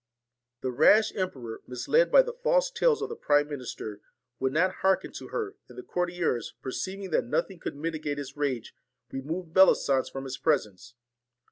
' The rash emperor, misled by the false tales of the prime minister, would not hearken to her: and the courtiers, perceiving that nothing could mitigate his rage, removed Bellisance from his presence.